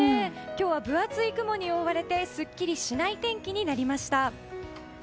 今日は分厚い雲に覆われてすっきりしない天気になりました。